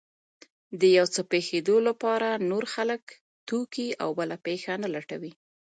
د يو څه پېښېدو لپاره نور خلک، توکي او بله پېښه نه لټوي.